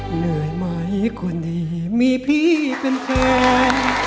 เหนื่อยไหมคนดีมีพี่เป็นแฟน